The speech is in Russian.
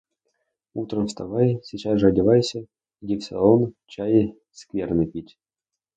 Утром вставай, сейчас же одевайся, иди в салон чай скверный пить.